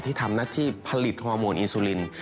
ที่ทำหน้าที่ผลิตฮอร์โมนอีซูลิน